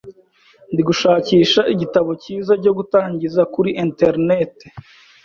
Ndi gushakisha igitabo cyiza cyo gutangiza kuri interineti.